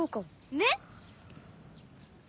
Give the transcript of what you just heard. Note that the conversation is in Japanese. ねっ！